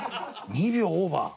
２秒オーバー。